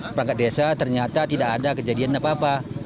perangkat desa ternyata tidak ada kejadian apa apa